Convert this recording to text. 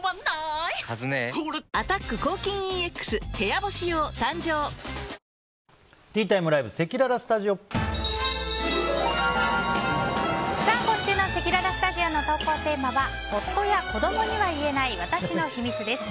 お申込みは今週のせきららスタジオの投稿テーマは夫や子供には言えない私の秘密です。